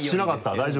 大丈夫？